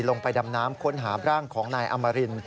ลงไปดำน้ำค้นหาร่างของนายอมริน